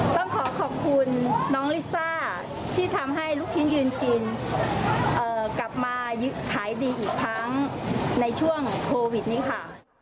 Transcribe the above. ต้องขอขอบคุณน้องลิซ่าที่ทำให้ลูกชิ้นยืนกินกลับมาขายดีอีกครั้งในช่วงโควิดนี้ค่ะ